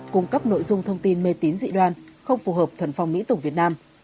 cung cấp nội dung thông tin mê tín dị đoan không phù hợp thuần phong mỹ tục việt nam